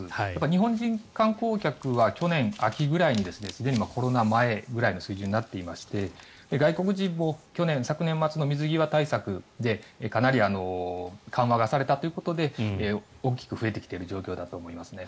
日本人観光客は去年秋くらいにすでにコロナ前くらいの水準になっていまして外国人も昨年末の水際対策でかなり緩和がされたということで大きく増えてきている状況だと思いますね。